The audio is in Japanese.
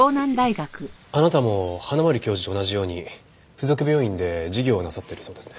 あなたも花森教授と同じように付属病院で授業をなさってるそうですね。